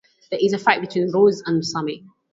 There is a fight between Roos and Sammy.